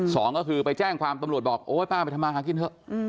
สองก็คือไปแจ้งความตำรวจบอกโอ๊ยป้าไปทำมาหากินเถอะ